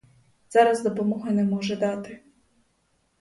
Зараз допомоги не може дати.